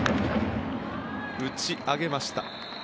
打ち上げました。